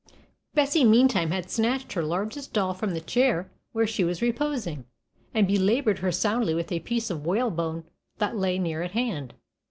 Bessie meantime had snatched her largest doll from the chair where she was reposing, and belabored her soundly with a piece of whalebone that lay near at hand.